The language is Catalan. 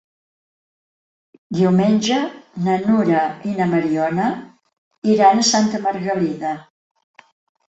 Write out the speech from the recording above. Diumenge na Nura i na Mariona iran a Santa Margalida.